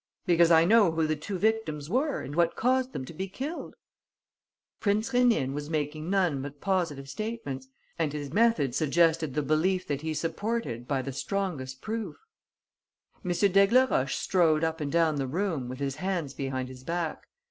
"Because I know who the two victims were and what caused them to be killed." Prince Rénine was making none but positive statements and his method suggested the belief that he supported by the strongest proofs. M. d'Aigleroche strode up and down the room, with his hands behind his back.